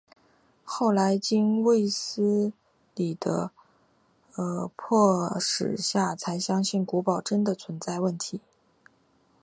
后来经卫斯理的迫使下才相信古堡真的存在问题。